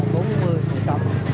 bao bốn mươi tháng